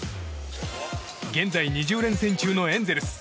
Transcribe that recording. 現在２０連戦中のエンゼルス。